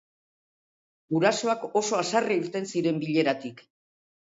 Gurasoak oso haserre irten ziren bileratik.